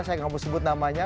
saya nggak mau sebut namanya